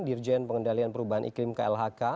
dirjen pengendalian perubahan iklim klhk